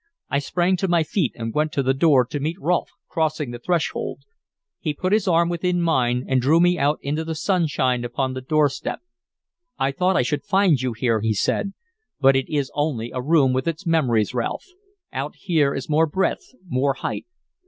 I sprang to my feet, and went to the door to meet Rolfe crossing the threshold. He put his arm within mine and drew me out into the sunshine upon the doorstep. "I thought I should find you here," he said; "but it is only a room with its memories, Ralph. Out here is more breadth, more height.